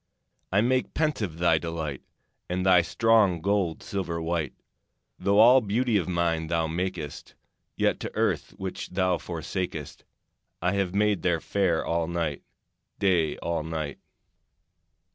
I make pensive thy delight, And thy strong gold silver white. Though all beauty of nine thou makest, Yet to earth which thou forsakest I have made thee fair all night, Day all night.